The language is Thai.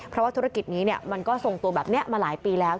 เพราะว่าธุรกิจนี้มันก็ทรงตัวแบบนี้มาหลายปีแล้ว